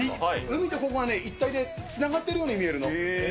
海とここが一体でつながっているように見えるの。